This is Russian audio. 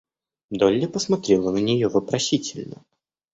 Долли посмотрела на нее вопросительно.